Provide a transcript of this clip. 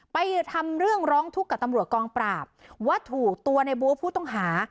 ไปทำเรื่องร้องทุกข์กับตำรวจกองปราบว่าถูกตัวในบัวผู้ต้องหา